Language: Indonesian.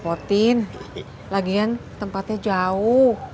rotin lagian tempatnya jauh